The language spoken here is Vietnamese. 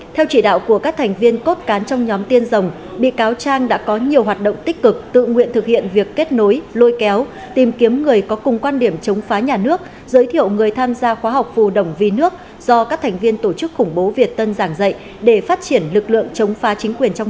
theo chỉ đạo của các thành viên cốt cán trong nhóm tiên rồng bị cáo trang đã có nhiều hoạt động tích cực tự nguyện thực hiện việc kết nối lôi kéo tìm kiếm người có cùng quan điểm chống phá nhà nước giới thiệu người tham gia khóa học phù đồng vì nước do các thành viên tổ chức khủng bố việt tân giảng dạy để phát triển lực lượng chống phá chính quyền